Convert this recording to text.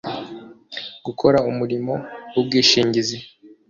gukora umurimo w’ubwishingizi;